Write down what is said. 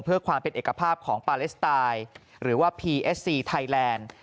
เพื่อความเป็นเอกภาพของปาเลสไตล์หรือว่าพีเอสซีไทยแลนด์